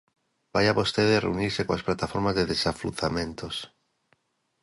Vaia vostede reunirse coas plataformas de desafiuzamentos.